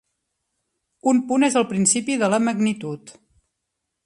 Un punt és el principi de la magnitud.